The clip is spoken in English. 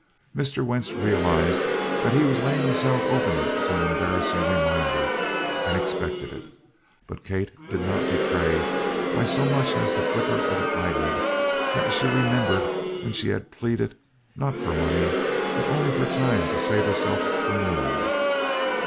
Mr. Wentz realized that he was laying himself open to an embarrassing reminder, and expected it, but Kate did not betray by so much as the flicker of an eyelid that she remembered when she had pleaded, not for money, but only for time to save herself from ruin.